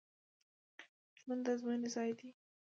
ژوند د ازموینې ځای دی